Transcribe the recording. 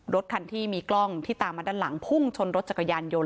รถคันที่มีกล้องที่ตามมาด้านหลังพุ่งชนรถจักรยานยนต